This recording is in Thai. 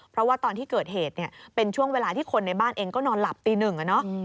เพราะว่าตอนที่เกิดเหตุเนี่ยเป็นช่วงเวลาที่คนในบ้านเองก็นอนหลับตีหนึ่งอะเนาะ